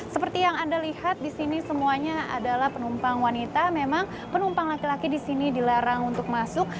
seperti yang anda lihat di sini semuanya adalah penumpang wanita memang penumpang laki laki di sini dilarang untuk masuk